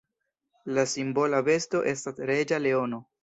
La simbola besto estas reĝa leono.